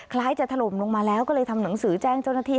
คล้ายจะถล่มลงมาแล้วก็เลยทำหนังสือแจ้งเจ้าหน้าที่